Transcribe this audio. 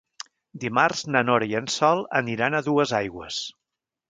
Dimarts na Nora i en Sol aniran a Duesaigües.